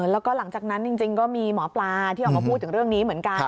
แล้วก็หลังจากนั้นจริงก็มีหมอปลาที่ออกมาพูดถึงเรื่องนี้เหมือนกัน